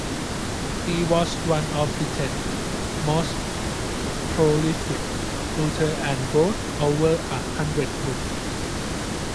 He was one of Britain's most prolific authors and wrote over a hundred books.